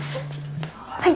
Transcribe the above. はい。